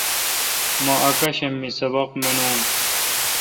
مہ اکاشم می سبق منون۔